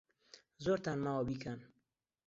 زۆرتان ماوە بیکەن.